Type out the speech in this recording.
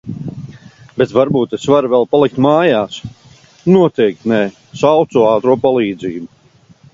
Bet varbūt es varu vēl palikt mājās?... noteikti nē! Saucu ātro palīdzību.